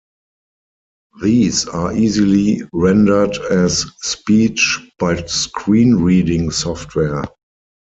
These are easily rendered as speech by screen reading software.